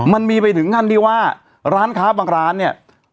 มันมีไปถึงขั้นที่ว่าร้านค้าบางร้านเนี่ย